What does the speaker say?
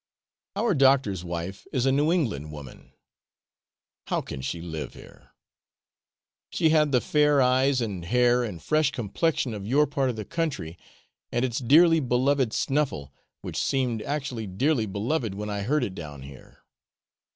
Our doctor's wife is a New England woman; how can she live here? She had the fair eyes and hair and fresh complexion of your part of the country, and its dearly beloved snuffle, which seemed actually dearly beloved when I heard it down here.